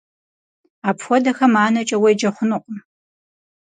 Апхуэдэхэм анэкӀэ уеджэ хъунукъым.